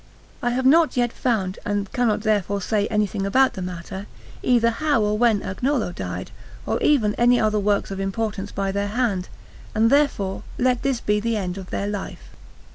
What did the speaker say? I have not yet found, and cannot therefore say anything about the matter, either how or when Agnolo died, or even any other works of importance by their hand; and therefore let this be the end of their Life.